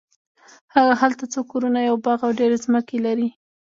هغه هلته څو کورونه یو باغ او ډېرې ځمکې لري.